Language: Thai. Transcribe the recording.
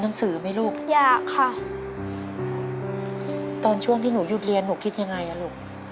แล้วหนูคิดยังไงลูก